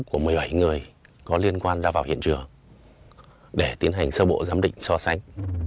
của một mươi bảy người có liên quan ra vào hiện trường để tiến hành sơ bộ giám định so sánh